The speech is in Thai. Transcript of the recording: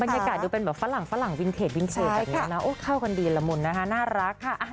บรรยากาศดูเป็นแบบฝรั่งวินเทจแบบนี้นะโอ้เข้ากันดีละมุนนะคะน่ารักค่ะ